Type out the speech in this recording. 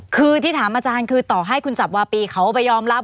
คือที่ถามอาจารย์คือต่อให้คุณสับวาปีเขาไปยอมรับ